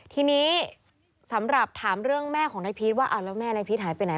ทีนี้สำหรับถามเรื่องแม่ของนายพีชว่าเอาแล้วแม่นายพีชหายไปไหน